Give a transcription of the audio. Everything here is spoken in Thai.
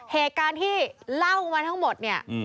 เหตุการณ์ที่เล่ามาทั้งหมดเนี่ย